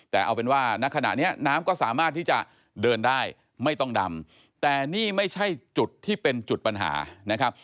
แต่เอาเป็นว่าณขณะนี้น้ำก็สามารถที่จะเดินได้ไม่ต้องดำแต่นี่ไม่ใช่จุดที่เป็นจุดปัญหานะครับ